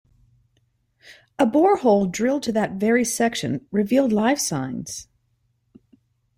A bore hole drilled to that very section revealed life signs.